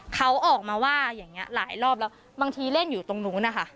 เขาออกมาว่าอย่างนี้หลายรอบแล้วบางทีเล่นอยู่ตรงนู้นนะคะ